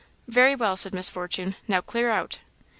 "Very well," said Miss Fortune. "Now, clear out."